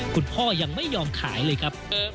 คุณพ่อยังไม่ยอมขายเลยครับ